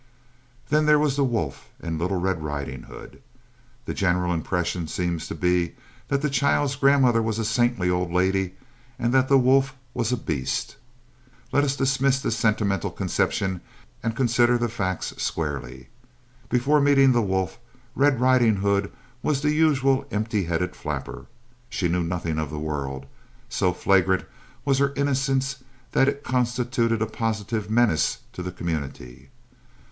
Then there was the wolf and Little Red Riding Hood. The general impression seems to be that the child's grandmother was a saintly old lady and that the wolf was a beast. Let us dismiss this sentimental conception and consider the facts squarely. Before meeting the wolf Red Riding Hood was the usual empty headed flapper. She knew nothing of the world. So flagrant was her innocence that it constituted a positive menace to the community.